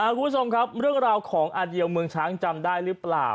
คุณผู้ชมครับเรื่องราวของอาเดียวเมืองช้างจำได้หรือเปล่า